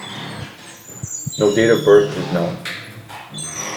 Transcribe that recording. No date of birth is known.